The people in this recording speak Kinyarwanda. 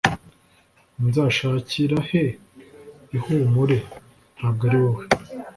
Nzashakira he ihumure Ntabwo ari wowe